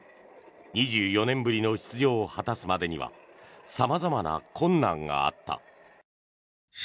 ２４年ぶりの出場を果たすまでには様々な困難があった。